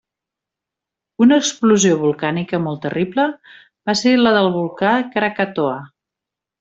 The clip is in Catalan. Una explosió volcànica molt terrible, va ser la del volcà Krakatoa.